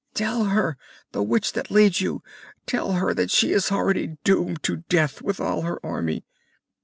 "Tell her, the witch that leads you! Tell her that she is already doomed to death, with all her army!"